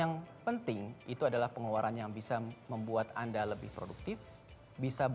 untuk penulisan dosis kemarin sebaiknya faedah sendiriku sampai lempar dengineer lb again